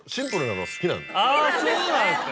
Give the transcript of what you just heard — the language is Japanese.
あぁそうなんですね。